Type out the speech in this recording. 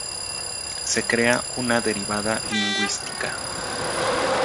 Se crea una derivada lingüística.